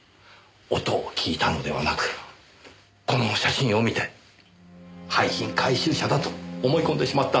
音を聞いたのではなくこの写真を見て廃品回収車だと思い込んでしまったんです。